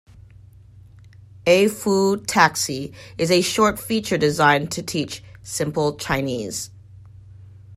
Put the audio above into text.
A-Fu taxi is a short feature designed to teach simple Chinese.